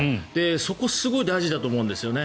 そこ、すごい大事だと思うんですよね。